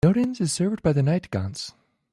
Nodens is served by the Nightgaunts.